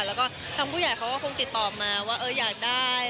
แล้วก็ทางผู้ใหญ่เขาก็คงติดต่อมาว่าอยากได้